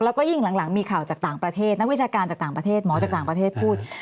แล้วก็ยิ่งหลังมีข่าวจากต่างประเทศนักวิชาการจากต่างประเทศหมอจากต่างประเทศพูด